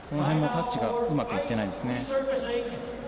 タッチがうまくいってないですね。